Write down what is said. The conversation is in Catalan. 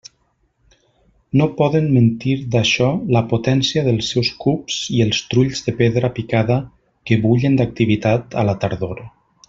No poden mentir d'això la potència dels seus cups i els trulls de pedra picada que bullen d'activitat a la tardor.